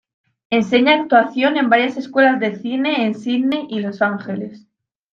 Enseña actuación en varias escuelas de cine en Sídney y Los Ángeles.